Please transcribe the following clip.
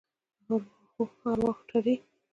ارواحو تړي.